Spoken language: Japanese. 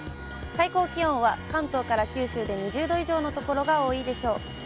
最高気温は関東から九州で２０度以上の所が多いでしょう。